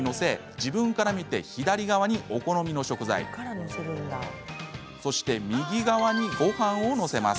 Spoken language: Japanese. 自分から見て左側にお好みの具材そして右側にごはんを載せます。